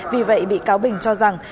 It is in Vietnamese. vì vậy bị cáo bình cho rằng